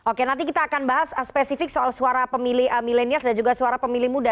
oke nanti kita akan bahas spesifik soal suara pemilih milenials dan juga suara pemilih muda